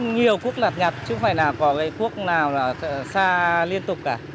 nhiều quốc lập nhập chứ không phải là có quốc nào là xa liên tục cả